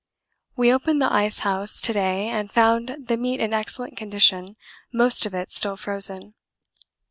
We opened the ice house to day, and found the meat in excellent condition most of it still frozen.